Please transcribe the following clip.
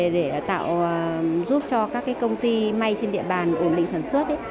để giúp cho các công ty mây trên địa bàn ổn định sản xuất